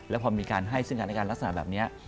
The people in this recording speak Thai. แล้วพอมีการให้ซึ่งสถานการณ์ลักษณะแบบนี้